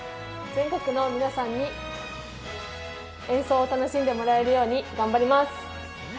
全国の皆さんに演奏を楽しんでもらえるように頑張ります。